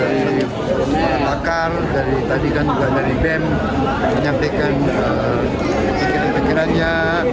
dari perempuan bakal dari tadi dan juga dari bem menyampaikan pikiran pikirannya